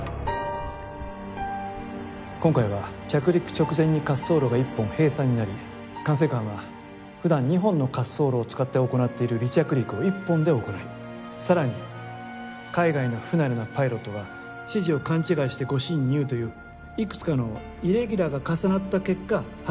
今回は着陸直前に滑走路が１本閉鎖になり管制官は普段２本の滑走路を使って行っている離着陸を１本で行いさらに海外の不慣れなパイロットが指示を勘違いして誤進入といういくつかのイレギュラーが重なった結果発生した事案です。